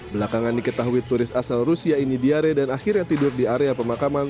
belakangan diketahui turis asal rusia ini diare dan akhirnya tidur di area pemakaman